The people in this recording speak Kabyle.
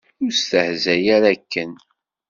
Ur stehzay ara akken!